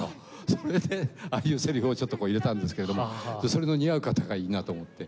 それでああいうセリフをちょっと入れたんですけれどもそれの似合う方がいいなと思って。